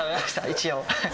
一応。